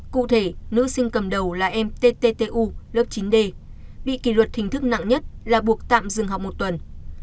cụ thể nữ sinh cầm đầu là em ttu lớp chín d bị kỷ luật hình thức nặng nhất là buộc tạm dừng học một tuần